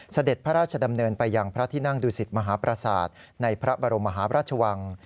เสด็จพระราชดำเนินไปยังพระที่นั่งดูสิตมหาประสาทในพระบรมมหาพระราชวัง